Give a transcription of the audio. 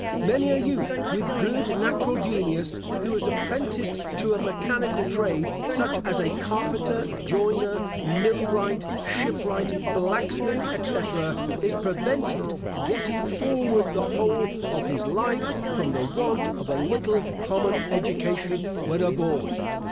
Many a youth, with good natural genius, who is apprenticed to a mechanical trade, such as a carpenter, joiner, millwright, shipwright, blacksmith, etc., is prevented getting forward the whole of his life from the want of a little common education when a boy.